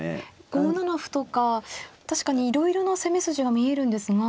５七歩とか確かにいろいろな攻め筋が見えるんですが。